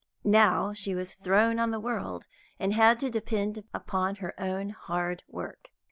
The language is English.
Now she was thrown on the world, and had to depend upon her own hard work.